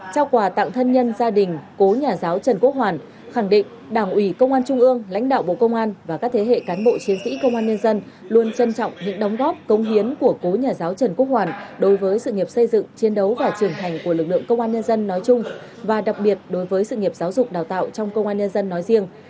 trao quà tặng thân nhân gia đình cố nhà giáo trần quốc hoàn khẳng định đảng ủy công an trung ương lãnh đạo bộ công an và các thế hệ cán bộ chiến sĩ công an nhân dân luôn trân trọng những đóng góp công hiến của cố nhà giáo trần quốc hoàn đối với sự nghiệp xây dựng chiến đấu và trưởng thành của lực lượng công an nhân dân nói chung và đặc biệt đối với sự nghiệp giáo dục đào tạo trong công an nhân dân nói riêng